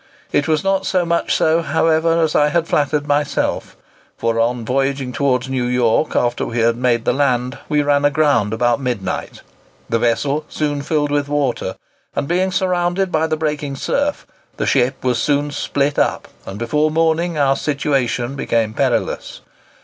It was not so much so, however, as I had flattered myself; for on voyaging towards New York, after we had made the land, we ran aground about midnight. The vessel soon filled with water, and, being surrounded by the breaking surf, the ship was soon split up, and before morning our situation became perilous.